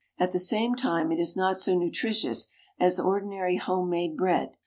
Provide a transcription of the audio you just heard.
At the same time it is not so nutritious as ordinary home made bread.